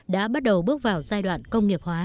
đã bắt đầu bước vào giai đoạn công nghiệp hóa